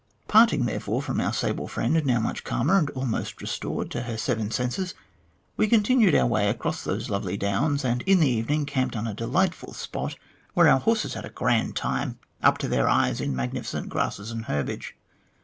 Parting therefore from our sable friend, no\v much calmer and almost restored to her seven senses, we continued our way across those lovely downs, and in the evening camped on a delightful spot, where our horses had a grand time, up to their eyes in magnificent grasses and herbage.